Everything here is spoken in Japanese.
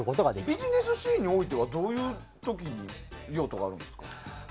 ビジネスシーンにおいてはどういう時に用途があるんですか。